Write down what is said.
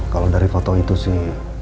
kalau dari foto itu sih